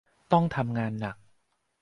ต้องทำงานหนัก